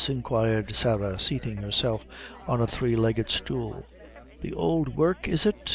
inquired Sarah, seating; herself on a three legged stool, "the ould work, is it?